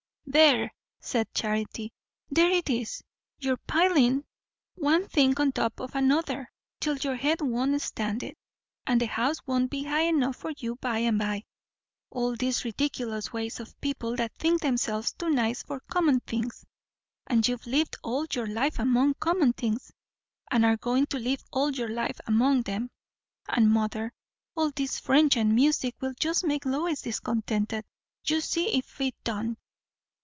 "There!" said Charity. "There it is! You're pilin' one thing on top of another, till your head won't stand it; and the house won't be high enough for you by and by. All these ridiculous ways, of people that think themselves too nice for common things! and you've lived all your life among common things, and are going to live all your life among them. And, mother, all this French and music will just make Lois discontented. You see if it don't."